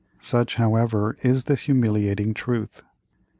Such, however, is the humiliating truth.